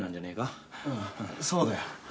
うんそうだよ。